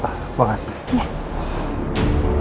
mbak memang gak punya bukti ya elsa